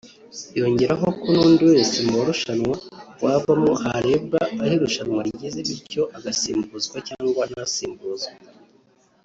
yongeraho ko n’undi wese mu barushanwa wavamo harebwa aho irushanwa rigeze bityo agasimbuzwa cyangwa ntasimbuzwe